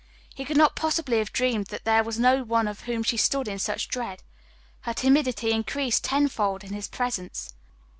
He could not possibly have dreamed that there was no one of whom she stood in such dread; her timidity increased tenfold in his presence.